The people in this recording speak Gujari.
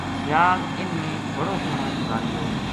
سیال اِن نے بڑو سوہنو گُزاریو